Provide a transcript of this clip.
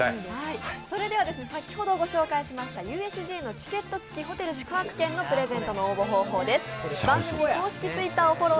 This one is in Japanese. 先ほどご紹介しましたＵＳＪのチケット付きホテル宿泊券の応募方法です。